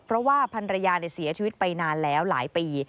เพราะว่าพันรยาเสียชีวิตไปนานแล้วหลายปี